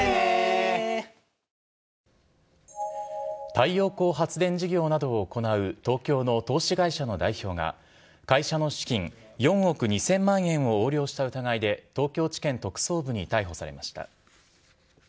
太陽光発電事業などを行う東京の投資会社の代表が、会社の資金４億２０００万円を横領した疑いで東京地検特捜部に逮捕されました。